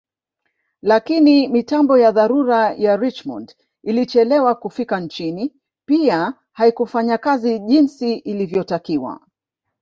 Lakini mitambo ya dharura ya Richmond ilichelewa kufika nchini pia haikufanya kazi jinsi ilivyotakiwa